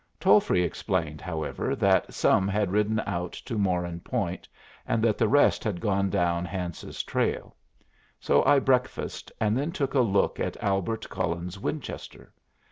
Tolfree explained, however, that some had ridden out to Moran Point, and the rest had gone down Hance's trail. So I breakfasted and then took a look at Albert Cullen's Winchester.